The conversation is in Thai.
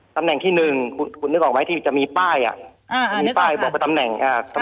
ตำแปลงที่๑คุณคุณนึกออกไหมที่จะมีป้ายบอกประตำแหน่ง